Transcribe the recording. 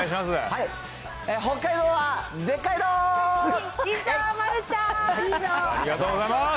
いいぞ、ありがとうございます。